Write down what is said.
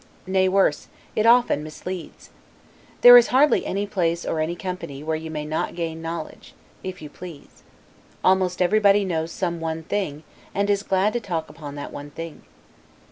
Nay worse, it often misleads. There is hardly any place or any company, where you may not gain knowledge, if you please; almost everybody knows some one thing, and is glad to talk upon that one thing.